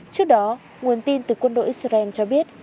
trước đó nguồn tin từ quân đội israel cho biết